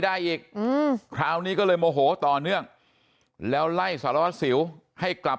ได้อีกคราวนี้ก็เลยโมโหต่อเนื่องแล้วไล่สารวัสสิวให้กลับ